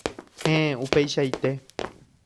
Héẽ, upeichaite.